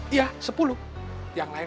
iya sepuluh yang lain